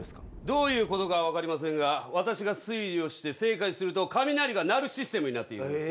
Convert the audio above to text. どういうことかは分かりませんが私が推理をして正解すると雷が鳴るシステムになっているようです。